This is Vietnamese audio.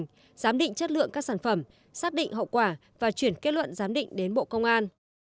giám định chất lượng các sản phẩm xác định hậu quả và chuyển kết luận giám định đến bộ công an